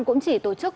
cũng chỉ tổ chức